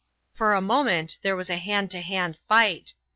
For a moment there was a hand to hand fight.